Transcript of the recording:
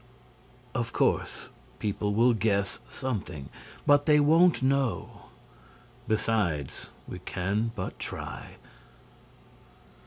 "Of course, people will guess something, but they won't know. Besides, we can but try."